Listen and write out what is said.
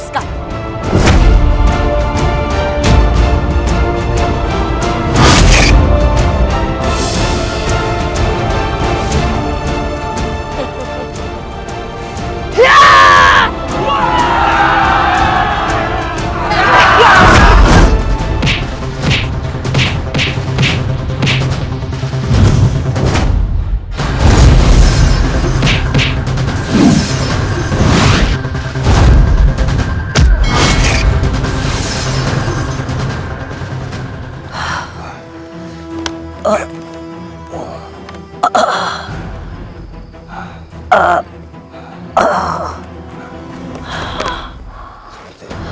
jangan sebesar mulutmu yang salahku